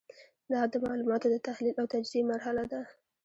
دا د معلوماتو د تحلیل او تجزیې مرحله ده.